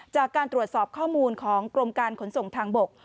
จากการตรวจสอบข้อมูลของกรมการขนส่งทางบก